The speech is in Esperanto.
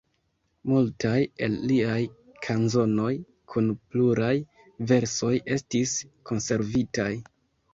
Multaj el liaj kanzonoj kun pluraj versoj estis konservitaj.